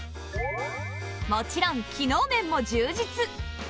もちろん機能面も充実！